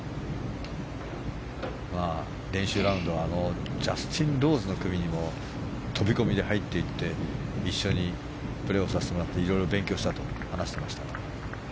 練習ラウンドはジャスティン・ローズの組にも飛び込みで入っていって一緒にプレーをさせてもらっていろいろ勉強したと話していましたが。